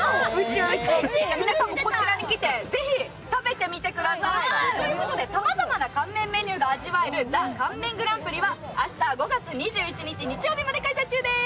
皆さんもこちらに来て食べてみてください。ということで、さまざまな乾麺メニューが味わえる、明日、５月２１日日曜日まで開催中です。